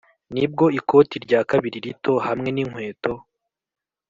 nibwo ikoti rya kabiri rito hamwe ninkweto